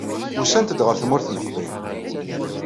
Usant-d ɣer Tmurt n Leqbayel.